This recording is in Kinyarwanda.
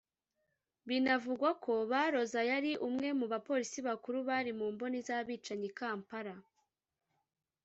Binavugwa ko Baroza yari umwe mu bapolisi bakuru bari mu mboni z’abicanyi I Kampala